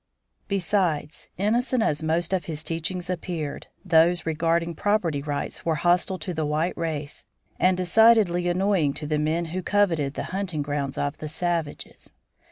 Besides, innocent as most of his teachings appeared, those regarding property rights were hostile to the white race and decidedly annoying to the men who coveted the hunting grounds of the savages.